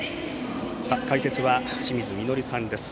解説は清水稔さんです。